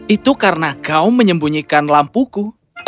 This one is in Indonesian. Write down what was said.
itu karena kau menyembunyikan lampuku